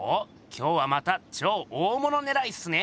今日はまた超大物ねらいっすね。